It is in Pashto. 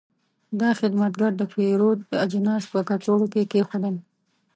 دا خدمتګر د پیرود اجناس په کڅوړو کې کېښودل.